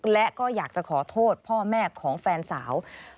และก็อยากจะขอโทษพ่อแม่ของแฟนสาว